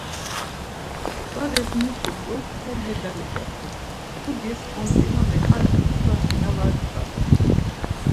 Bağus mutu t̆u mteli gale gexu, mtugis omt̆inoni ar xut̆ula tina var dut̆alu.